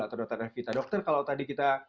atau dr hervita dokter kalau tadi kita